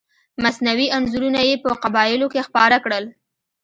مصنوعي انځورونه یې په قبایلو کې خپاره کړل.